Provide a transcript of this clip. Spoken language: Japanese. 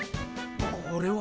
これは。